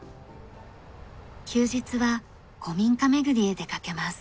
休日は古民家めぐりへ出かけます。